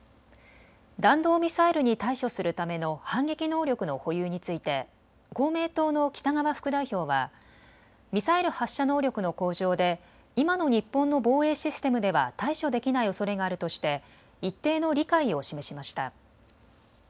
弾道ミサイルに対処するための反撃能力の保有について公明党の北側副代表はミサイル発射能力の向上で今の日本の防衛システムでは対処できないおそれがあるとして一定の理解を示しました。